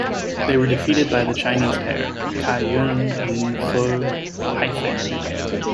They were defeated by the Chinese pair, Cai Yun and Fu Haifeng.